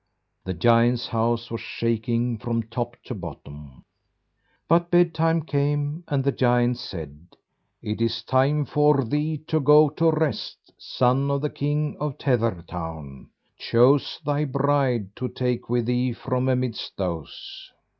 The giant's house was shaking from top to bottom. But bed time came, and the giant said, "It is time for thee to go to rest, son of the king of Tethertown; choose thy bride to take with thee from amidst those."